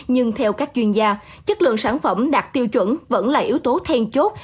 nhưng theo các chuyên gia chất lượng sản phẩm đạt tiêu chuẩn vẫn là yếu tố then chốt